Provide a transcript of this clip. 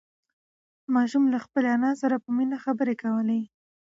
ماشوم له خپلې انا سره په مینه خبرې کولې